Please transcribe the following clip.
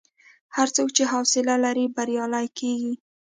هر څوک چې حوصله لري، بریالی کېږي.